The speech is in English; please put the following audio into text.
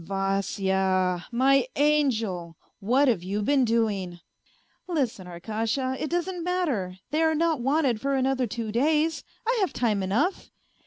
" Vas ... ya ! My angel ! What have you been doing ?"" Listen, Arkasha, it doesn't matter, they are not wanted for another two days, I have time enough.